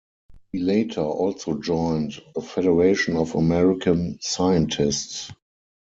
He later also joined the Federation of American Scientists.